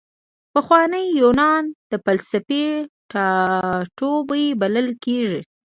پخوانی یونان د فلسفې ټاټوبی بلل کیږي.